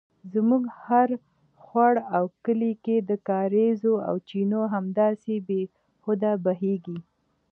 زموږ هر خوړ او کلي کې د کاریزو او چینو همداسې بې هوده بیهږي